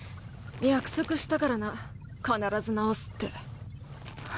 約束したからな必ず治すって。